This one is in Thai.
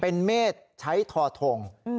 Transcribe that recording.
เป็นเมฆใช้ทอทง